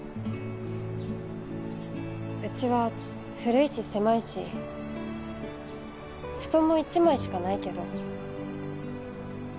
うちは古いし狭いし布団も一枚しかないけど。